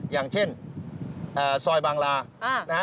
อย่างเช่นซอยบางลานะฮะ